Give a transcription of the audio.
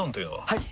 はい！